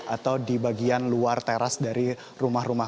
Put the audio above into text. atau di bagian luar teras dari rumah rumah